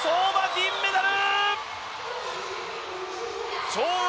銀メダル！